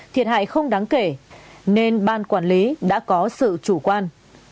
thiệt hại không đáng kể nên ban quản lý đã có sự chủ quan